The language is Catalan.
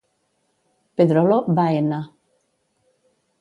Pedrolo va n